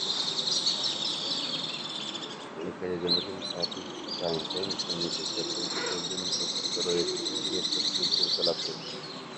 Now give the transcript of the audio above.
এই কাজের জন্য তিনি চারটি প্রাইমটাইম এমি পুরস্কার, তিনটি গোল্ডেন গ্লোব পুরস্কার ও একটি স্ক্রিন অ্যাক্টরস গিল্ড পুরস্কার লাভ করেন।